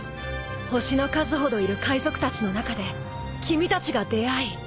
星の数ほどいる海賊たちの中で君たちが出会い